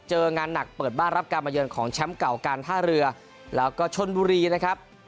เจองานหนักเปิดบ้านรับการมาเยินของแชมป์เก่าการท่าเรือแล้วก็ชนบุรีนะครับ